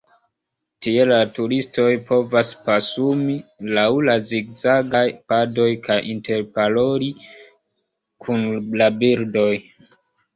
Tie la turistoj povas pasumi lau la zigzagaj padoj kaj interparoli kun la birdoj.